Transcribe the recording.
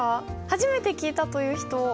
初めて聞いたという人？